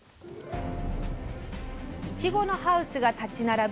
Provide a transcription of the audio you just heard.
いちごのハウスが立ち並ぶ